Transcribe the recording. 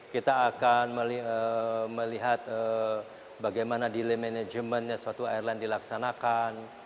kita akan melihat bagaimana delay managementnya suatu airline dilaksanakan